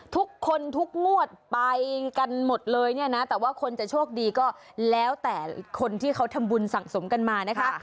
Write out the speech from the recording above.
ทุกคนทุกงวดไปกันหมดเลยเนี่ยนะแต่ว่าคนจะโชคดีก็แล้วแต่คนที่เขาทำบุญสะสมกันมานะคะ